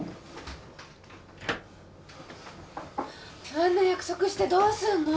あんな約束してどうすんの？